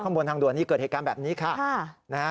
บนทางด่วนนี้เกิดเหตุการณ์แบบนี้ค่ะนะฮะ